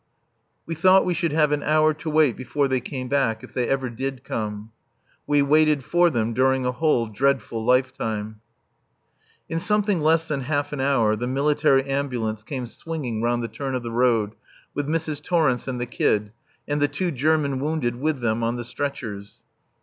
We thought we should have an hour to wait before they came back, if they ever did come. We waited for them during a whole dreadful lifetime. In something less than half an hour the military ambulance came swinging round the turn of the road, with Mrs. Torrence and the Kid, and the two German wounded with them on the stretchers.